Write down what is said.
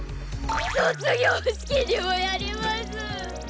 卒業式にもやります！